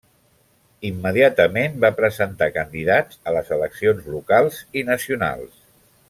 Immediatament va presentar candidats a les eleccions locals i nacionals.